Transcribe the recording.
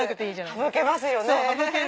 省けますよね。